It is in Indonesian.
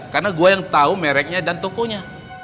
karena gue yang tau mereknya dan tokonya